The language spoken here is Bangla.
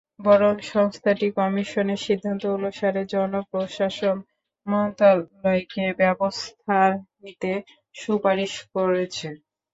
বরং সংস্থাটি কমিশনের সিদ্ধান্ত অনুসারে জনপ্রশাসন মন্ত্রণালয়কে ব্যবস্থা নিতে সুপারিশ করেছে।